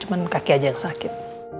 cuma kaki aja yang sakit